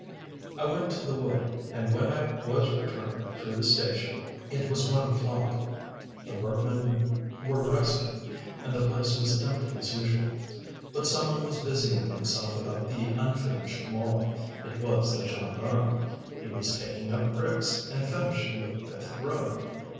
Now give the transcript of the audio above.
I went to the wood, and when I was returning through the station it was one o'clock, the workmen were resting, and the place was empty as usual. But some one was busying himself about the unfinished wall; it was the gendarme. He was taking up bricks, and finishing the fifth row.